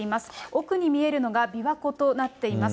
奥に見えるのが琵琶湖となっています。